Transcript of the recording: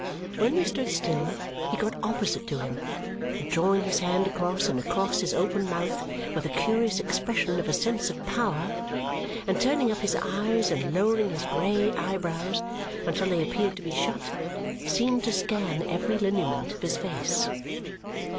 When we stood still, he got opposite to him, and drawing his hand across and across his open mouth with a curious expression of a sense of power, and turning up his eyes, and lowering his grey eyebrows until they appeared to be shut, seemed to scan every lineament of his face.